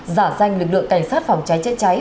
giả danh lực lượng cảnh sát phòng cháy chữa cháy